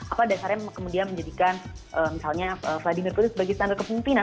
apa dasarnya kemudian menjadikan misalnya vladimir kudus sebagai standar kepemimpinan